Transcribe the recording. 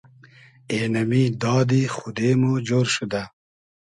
اېنئمی دادی خودې مو جۉر شودۂ